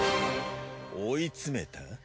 追い詰めた？